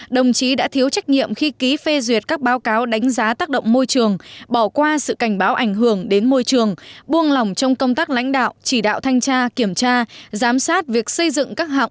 đồng chí đã thiếu trách nhiệm khi ký phê duyệt các báo cáo đánh giá tác động môi trường bỏ qua sự cảnh báo ảnh hưởng đến môi trường buông lỏng trong công tác lãnh đạo chỉ đạo thanh tra kiểm tra giám sát việc xây dựng các hạng mục